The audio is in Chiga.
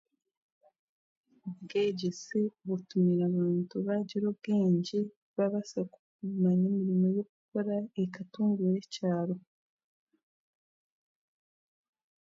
Obwegyese butumire abantu baagira obwengye babaasa kumanya emirimo ei bakubaasa kukora ekatunguura ekyaro